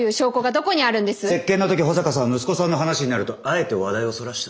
接見の時保坂さんは息子さんの話になるとあえて話題をそらした。